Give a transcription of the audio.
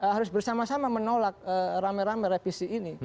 harus bersama sama menolak rame rame revisi ini